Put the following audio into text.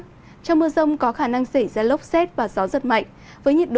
trong mưa rông có khả năng xảy ra lốc xét và gió rất mạnh với nhiệt độ từ hai mươi năm ba mươi bốn độ